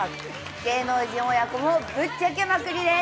芸能人親子もぶっちゃけまくりです。